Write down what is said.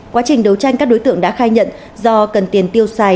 quá trình đấu tranh các đối tượng đã khai nhận do cần tiền tiêu xài